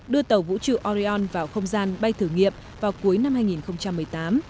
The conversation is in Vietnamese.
đưa tàu vũ trụ orion vào không gian bay thử nghiệm vào cuối năm hai nghìn một mươi tám